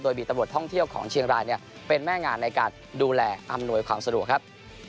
โดยมีตำรวจท่องเที่ยวของเชียงรายเป็นแม่งานในการดูแลอำนวยความสะดวกครับ